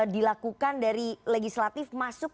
dilakukan dari legislatif masuk